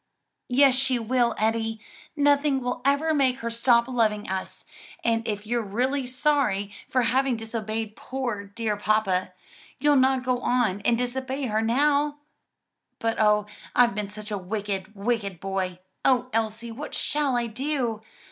"Yes, she will, Eddie; nothing will ever make her stop loving us; and if you're really sorry for having disobeyed poor, dear papa, you'll not go on and disobey her now." "But oh I've been such a wicked, wicked boy. O Elsie, what shall I do?